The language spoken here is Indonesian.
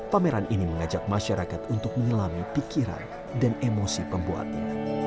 pameran ini mengajak masyarakat untuk menyelami pikiran dan emosi pembuatnya